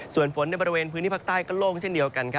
ส่วนฝนในบริเวณพื้นที่ภาคใต้ก็โล่งเช่นเดียวกัน